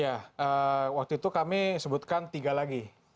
ya waktu itu kami sebutkan tiga lagi